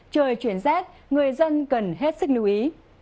trời chuyển rét người dân cần hết sức lưu ý